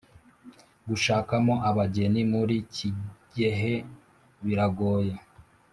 gushakamo abageni muri kigehe biragoye